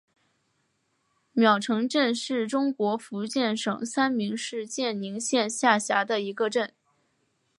濉城镇是中国福建省三明市建宁县下辖的一个镇。